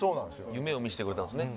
夢を見せてくれたんですね。